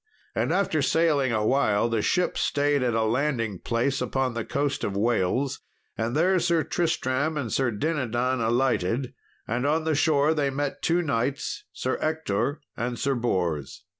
And after sailing awhile the ship stayed at a landing place upon the coast of Wales; and there Sir Tristram and Sir Dinadan alighted, and on the shore they met two knights, Sir Ector and Sir Bors.